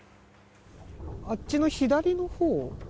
あっちの左のほう？